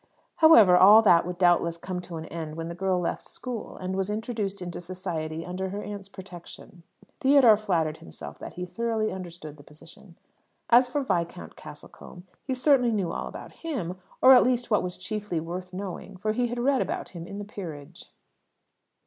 However, all that would doubtless come to an end when the girl left school, and was introduced into society under her aunt's protection. Theodore flattered himself that he thoroughly understood the position. As for Viscount Castlecombe, he certainly knew all about him or, at least, what was chiefly worth knowing; for he had read about him in the Peerage.